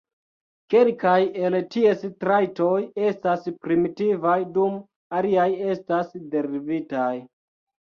Kelkaj el ties trajtoj estas primitivaj dum aliaj estas derivitaj.